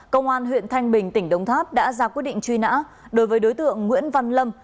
công an huyện thanh bình tỉnh đống tháp đã ra quyết định truy nã đối với đối tượng nguyễn văn lâm